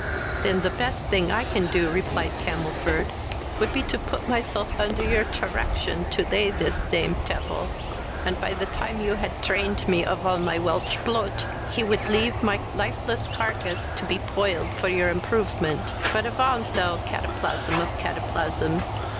"Then the best thing I can do (replied Camelford) would be to put myself under your tirection to lay this same tevil, and by the time you had trained me of all my Welch ploot, he would leave my lifeless carcase to be poiled for your improvement; but avaunt, thou cataplasm of cataplasms!